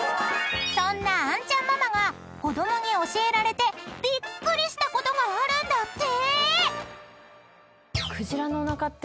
［そんな杏ちゃんママが子供に教えられてびっくりしたことがあるんだって！］